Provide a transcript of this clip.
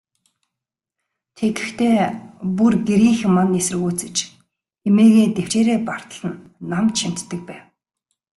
Тэгэхдээ, бүр гэрийнхэн маань эсэргүүцэж, эмээгээ тэвчээрээ бартал нь номд шимтдэг байв.